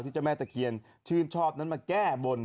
เจ้าแม่ตะเคียนชื่นชอบนั้นมาแก้บน